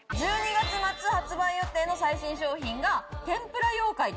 １２月末発売予定の最新商品が。